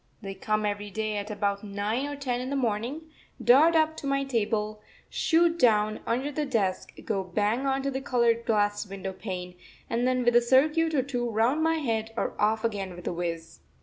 ] They come every day at about nine or ten in the morning, dart up to my table, shoot down under the desk, go bang on to the coloured glass window pane, and then with a circuit or two round my head are off again with a whizz.